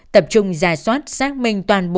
tập trung giả soát xác minh toàn bộ